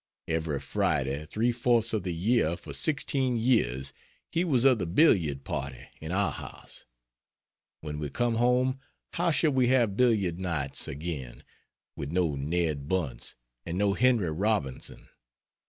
Every Friday, three fourths of the year for 16 years he was of the billiard party in our house. When we come home, how shall we have billiard nights again with no Ned Bunce and no Henry Robinson?